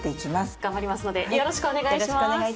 頑張りますのでよろしくお願いします。